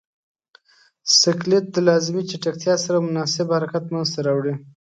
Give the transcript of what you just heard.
سکلیټ د لازمې چټکتیا سره مناسب حرکت منځ ته راوړي.